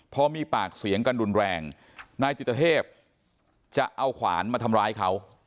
พอมีปากเสียงกันรุนแรงนายจิตเทพจะเอาขวานมาทำร้ายเขา